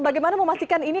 bagaimana memastikan ini